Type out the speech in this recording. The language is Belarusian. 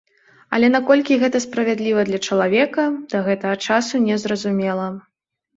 Але наколькі гэта справядліва для чалавека, да гэтага часу не зразумела.